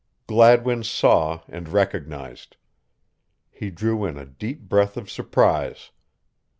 Gladwin saw and recognized. He drew in a deep breath of surprise.